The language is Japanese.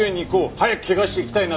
早く怪我して行きたいな。